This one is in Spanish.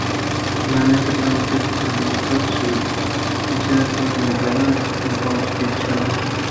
Finalmente fueron puestas en libertad y sus detenciones fueron declaradas inconstitucionales.